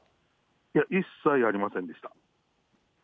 いや、一切ありませんでした。